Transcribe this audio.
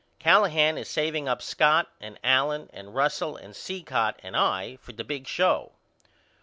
Callahan is saveing up Scott and Allen and Russell and Cicotte and I for the big show.